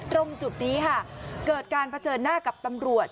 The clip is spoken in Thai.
ตรงจุดนี้ค่ะเกิดการเผชิญหน้ากับตำรวจ